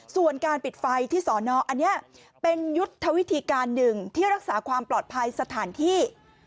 ส่วนการปิดไฟที่สอนออันนี้เป็นยุทธวิธีการหนึ่งที่รักษาความปลอดภัยสถานที่